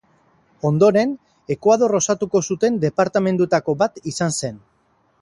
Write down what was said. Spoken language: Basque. Ondoren Ekuador osatuko zuten departamenduetako bat izan zen.